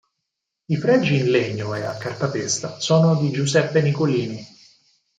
I fregi in legno e e cartapesta sono di Giuseppe Nicolini.